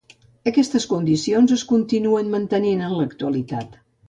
Aquestes condicions es continuen mantenint en l’actualitat.